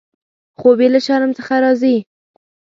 خوب یې له شرم څخه راځي.